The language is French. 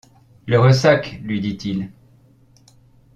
Le ressac! lui dit-il.